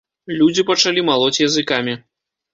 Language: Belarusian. Людзі пачалі малоць языкамі.